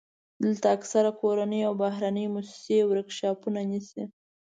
دلته اکثره کورنۍ او بهرنۍ موسسې ورکشاپونه نیسي.